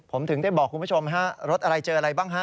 ผมถึงได้บอกคุณผู้ชมฮะรถอะไรเจออะไรบ้างฮะ